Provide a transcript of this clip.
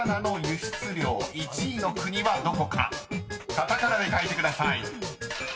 ［カタカナで書いてください］